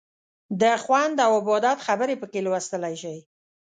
د خوند او عبادت خبرې پکې لوستلی شئ.